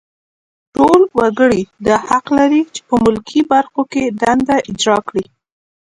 ټول وګړي دا حق لري چې په ملکي برخو کې دنده اجرا کړي.